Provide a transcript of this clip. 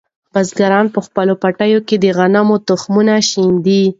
بزګران په خپلو پټیو کې د غنمو تخمونه شیندي.